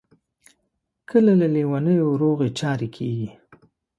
کله له لېونیو روغې چارې کیږي.